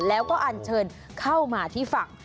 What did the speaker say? แล้วก็อันเชิญเข้ามาที่ฝั่ง